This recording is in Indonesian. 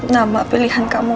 nambah pilihan kamu